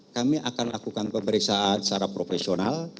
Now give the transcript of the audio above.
kami akan lakukan pemeriksaan secara profesional